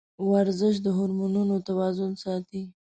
ورزش د هورمونونو توازن ساتي.